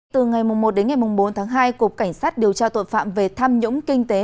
từ ngày một đến ngày bốn tháng hai cục cảnh sát điều tra tội phạm về tham nhũng kinh tế